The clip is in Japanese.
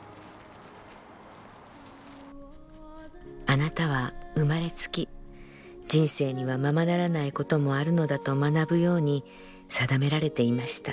「あなたは生まれつき人生にはままならないこともあるのだと学ぶように定められていました。